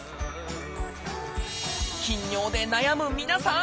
頻尿で悩む皆さん！